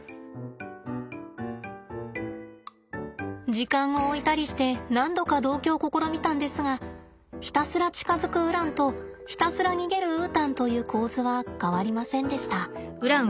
時間を置いたりして何度か同居を試みたんですがひたすら近づくウランとひたすら逃げるウータンという構図は変わりませんでした。